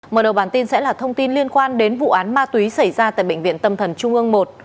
mở đầu bản tin sẽ là thông tin liên quan đến vụ án ma túy xảy ra tại bệnh viện tâm thần trung ương một